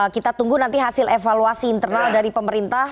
kita tunggu nanti hasil evaluasi internal dari pemerintah